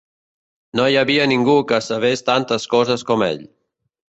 No hi havia ningú que sabés tantes coses com ell.